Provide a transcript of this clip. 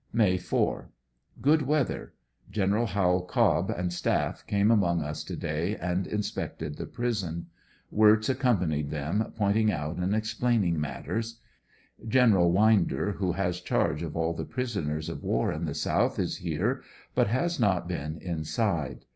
May 4 — Good weather. Gen. Howell Cobb and staff came among us to day, and inspected the prison Wirtz accompanied thein pointmg out and explaining matters. Gen. Winder, who has charge of all the prisoners of war in the South, is here, but has not been inside.